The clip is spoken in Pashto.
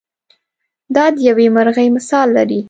دا د یوې مرغۍ مثال لري.